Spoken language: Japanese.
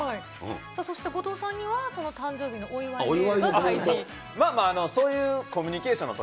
そして後藤さんには、誕生日お祝いのコメント。